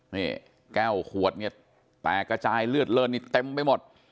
นี่แก้วขวดเนี่ยแตกกระจายเลือดเลินนี่เต็มไปหมด